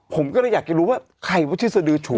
ผมก็เลยอยากจะรู้ว่าใครว่าชื่อสดือฉู